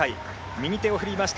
右手を振りました